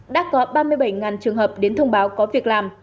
đã có ba mươi bảy trường hợp đến thông báo có việc làm